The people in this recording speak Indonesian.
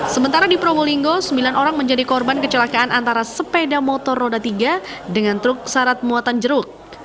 sementara di probolinggo sembilan orang menjadi korban kecelakaan antara sepeda motor roda tiga dengan truk syarat muatan jeruk